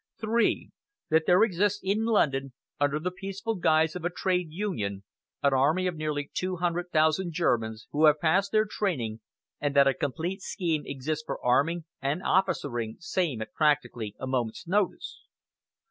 "3. That there exists in London, under the peaceful guise of a trade union, an army of nearly 200,000 Germans, who have passed their training, and that a complete scheme exists for arming and officering same at practically a moment's notice?